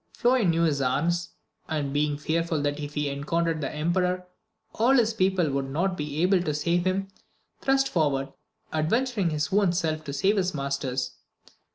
Floyan knew his arms, and being fearful that if he encountered the emperor, all his people would not be able to save him, thrust forward, adventuring his own life to save his master's.